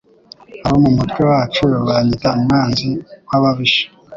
Abo mu mutwe wacu banyita mwanzi w'ababisha.